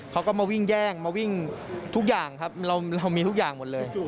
เขาก็มาวิ่งแย่งมาวิ่งทุกอย่างครับเรามีทุกอย่างหมดเลย